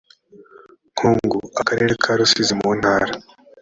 nkungu akarere ka rusizi mu ntara